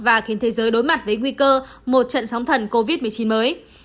và khiến thế giới đối mặt với nguy cơ một trận sóng thần covid một mươi chín mới